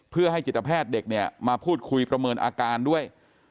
เพื่อให้จิตแพทย์เด็กเนี่ยมาพูดคุยประเมินอาการด้วย